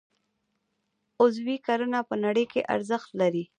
عضوي کرنه په نړۍ کې ارزښت لري